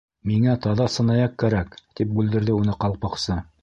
—Миңә таҙа сынаяҡ кәрәк, —тип бүлдерҙе уны Ҡалпаҡсы.